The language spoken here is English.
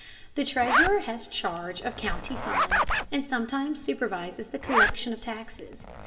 The treasurer has charge of county funds, and sometimes supervises the collection of taxes.